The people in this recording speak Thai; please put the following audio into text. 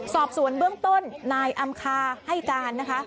สอบสวนเบื้องต้นนายอำคาให้การนะคะ